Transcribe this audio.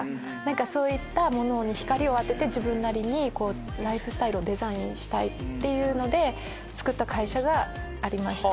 そういったものに光を当てて自分なりにライフスタイルをデザインしたいっていうのでつくった会社がありまして。